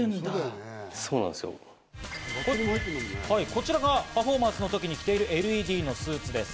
こちらがパフォーマンスの時に着ているＬＥＤのスーツです。